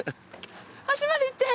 端まで行って。